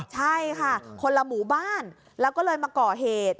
ใช่ค่ะคนละหมู่บ้านแล้วก็เลยมาก่อเหตุ